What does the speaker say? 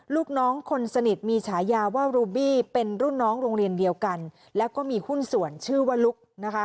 ลูกน้องคนสนิทมีฉายาว่ารูบี้เป็นรุ่นน้องโรงเรียนเดียวกันแล้วก็มีหุ้นส่วนชื่อว่าลุกนะคะ